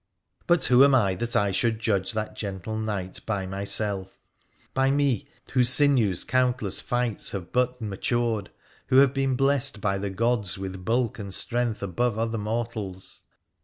But who am I that I should judge that gentle knight by myself — by me, whose sinews countless fights have but matured, who have been blessed by the gods with bulk and strength above other mortals?